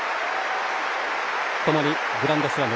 共にグランドスラム